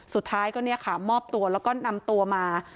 สุดท้ายก็เนี่ยค่ะมอบตัวแล้วก็นำตัวมา